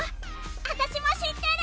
あたしも知ってる！